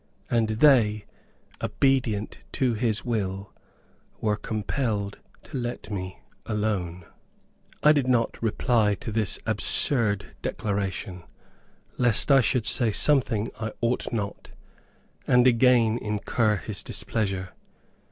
AND THEY, OBEDIENT TO HIS WILL, WERE COMPELLED TO LET ME ALONE! I did not reply to this absurd declaration, lest I should say something I ought not, and again incur his displeasure.